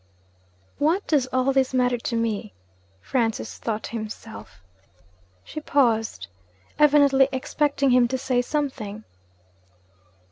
'What does all this matter to me?' Francis thought to himself. She paused, evidently expecting him to say something.